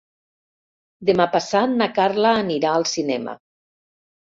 Demà passat na Carla anirà al cinema.